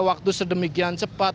waktu sedemikian cepat